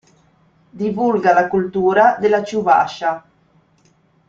Divulga la cultura della Ciuvascia.